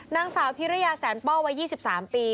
นางสาวพิริยาแสนป้อวัย๒๓ปี